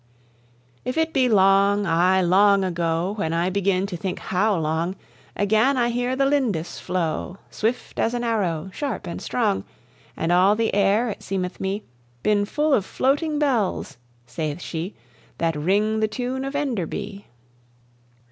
If it be long ay, long ago, When I beginne to think howe long, Againe I hear the Lindis flow, Swift as an arrowe, sharpe and strong; And all the aire, it seemeth mee, Bin full of floating bells (sayth shee), That ring the tune of Enderby.